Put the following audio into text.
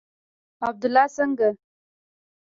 عبدالله څنگه.